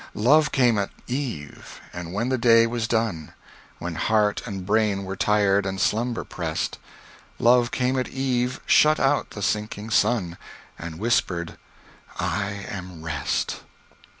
Love came at eve, and when the day was done, When heart and brain were tired, and slumber pressed; Love came at eve, shut out the sinking sun, And whispered, "I am rest."